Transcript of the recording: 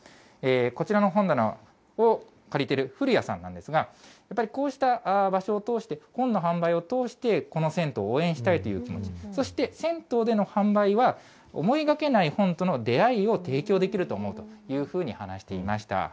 こちらの本棚を借りてる古谷さんなんですが、やっぱりこうした場所を通して、本の販売を通して、この銭湯を応援したいという気持ち、そして銭湯での販売は、思いがけない本との出会いを提供できると思うというふうに話していました。